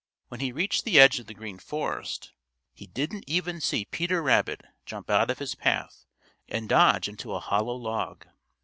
When he reached the edge of the Green Forest, he didn't even see Peter Rabbit jump out of his path and dodge into a hollow log.